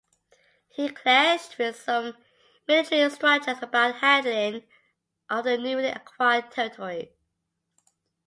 He clashed with some military structures about the handling of the newly acquired territories.